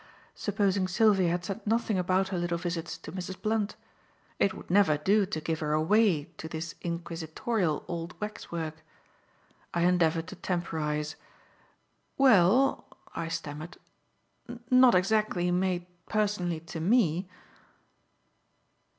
Supposing Sylvia had said nothing about her little visits to Mrs. Blunt? It would never do to give her away to this inquisitorial old waxwork. I endeavoured to temporize. "Well," I stammered, "not exactly made personally to me."